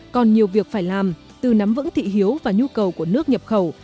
còn nhiều việc phải làm từ nắm vững thị hiếu và nhu cầu của nước nhập khẩu